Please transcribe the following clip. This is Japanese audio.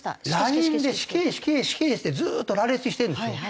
ＬＩＮＥで「死刑死刑死刑」ってずっと羅列してるんですよ。